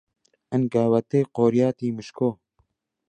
ئەنگاوتەی قۆریاتی مشکۆ،